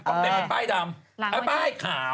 ออกแรงเป็นป้ายดำป้ายขาว